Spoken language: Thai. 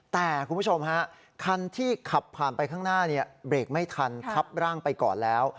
แต่คุณผู้ชมฮะคันที่ขับผ่านไปข้างหน้าเบรกไม่ทันทับร่างไปก่อนแล้ว